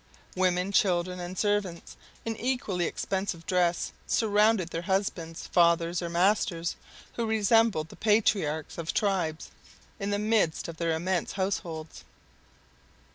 Women, children, and servants, in equally expensive dress, surrounded their husbands, fathers, or masters, who resembled the patriarchs of tribes in the midst of their immense households.